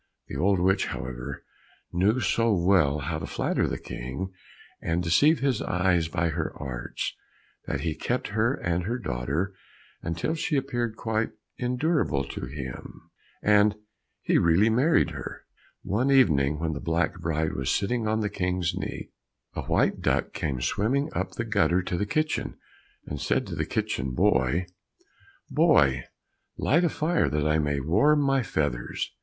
The old witch, however, knew so well how to flatter the King and deceive his eyes by her arts, that he kept her and her daughter until she appeared quite endurable to him, and he really married her. One evening when the black bride was sitting on the King's knee, a white duck came swimming up the gutter to the kitchen, and said to the kitchen boy, "Boy, light a fire, that I may warm my feathers."